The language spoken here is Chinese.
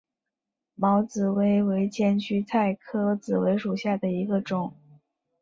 毛紫薇为千屈菜科紫薇属下的一个种。